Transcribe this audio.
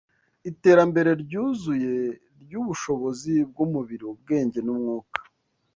iterambere ryuzuye ry’ubushobozi bw’umubiri, ubwenge, n’umwuka.